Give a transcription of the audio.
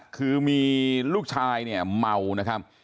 คือมีลูกชายเมานะครับ